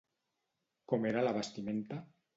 Com era la vestimenta?